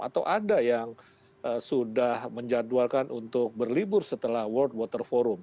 atau ada yang sudah menjadwalkan untuk berlibur setelah world water forum